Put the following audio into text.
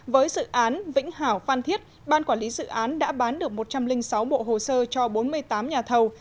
với dự án vĩnh hảo phan thiết ban quản lý dự án đã bán được một trăm linh sáu bộ hồ sơ cho bốn mươi tám nhà thầu